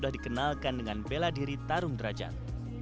dan dikenalkan dengan bela diri tarung derajat